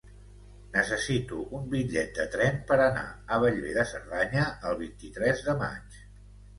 Necessito un bitllet de tren per anar a Bellver de Cerdanya el vint-i-tres de maig.